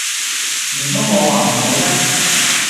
唔通我話唔好咩